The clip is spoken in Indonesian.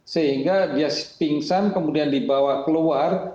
sehingga dia pingsan kemudian dibawa keluar